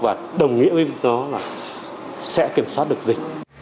và đồng nghĩa với đó là sẽ kiểm soát được dịch